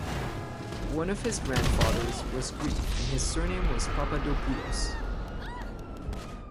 One of his grandfathers was Greek and his surname was Papadopoulos.